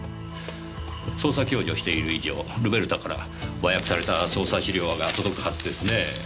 捜査共助をしている以上ルベルタから和訳された捜査資料が届くはずですね。